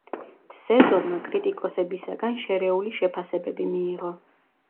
სეზონმა კრიტიკოსებისაგან შერეული შეფასებები მიიღო.